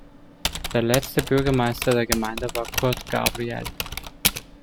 Der letzte Bürgermeister der Gemeinde war Kurt Gabriel.